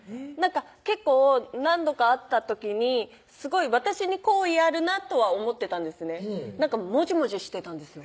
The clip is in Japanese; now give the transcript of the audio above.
結構何度か会った時にすごい私に好意あるなとは思ってたんですねなんかもじもじしてたんですよ